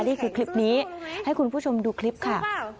นี่คือคลิปนี้ให้คุณผู้ชมดูคลิปค่ะ